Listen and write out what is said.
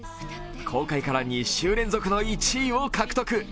公開から２週連続の１位を獲得。